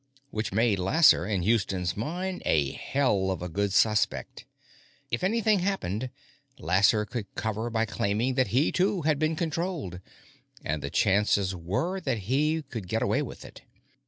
Which made Lasser, in Houston's mind, a hell of a good suspect. If anything happened, Lasser could cover by claiming that he, too, had been controlled, and the chances were that he could get away with it.